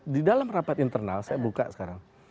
di dalam rapat internal saya buka sekarang